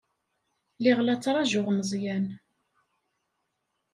Lliɣ la ttṛajuɣ Meẓyan.